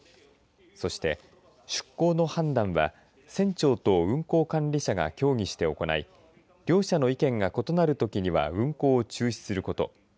そして、出航の判断は船長と運航管理者が協議して行い両者の意見が異なるときには運航を中止すること。